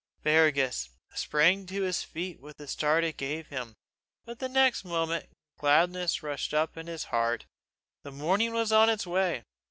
Fergus sprang to his feet with the start it gave him but the next moment gladness rushed up in his heart: the morning was on its way!